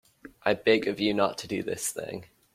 I beg of you not to do this thing.